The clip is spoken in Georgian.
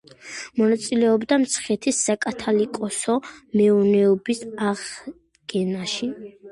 მონაწილეობდა მცხეთის საკათალიკოსო მეურნეობის აღდგენაში.